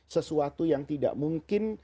sesuatu yang tidak mungkin